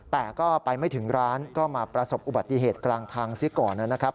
แต่ก็ไปไม่ถึงร้านก็มาประสบอุบัติเหตุกลางทางซิก่อนนะครับ